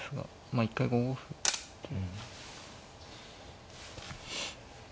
まあ一回５五歩打って。